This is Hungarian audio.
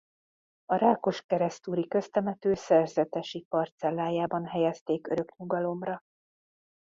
A rákoskeresztúri köztemető szerzetesi parcellájában helyezték örök nyugalomra.